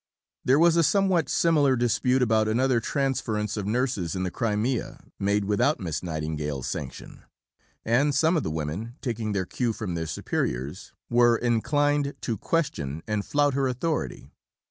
There was a somewhat similar dispute about another transference of nurses in the Crimea made without Miss Nightingale's sanction; and some of the women, taking their cue from their superiors, were inclined to question and flout her authority.